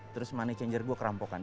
terus money changer gue kerampokan